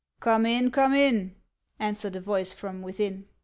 " Come in, come in," answered a voice from within.